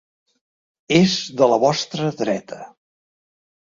És de la vostra dreta.